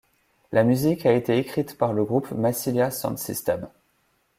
La musique a été écrite par le groupe Massilia Sound System.